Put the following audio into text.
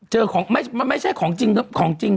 เจอแบบไม่ใช่ของจริงของจริง